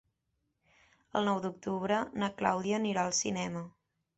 El nou d'octubre na Clàudia anirà al cinema.